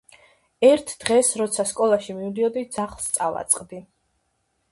ერთ დღეს როცა სკოლაში მივდიოდი, ძაღლს წავაწყდი